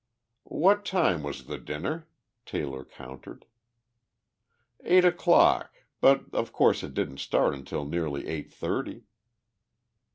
"What time was the dinner?" Taylor countered. "Eight o'clock, but of course it didn't start until nearly eight thirty."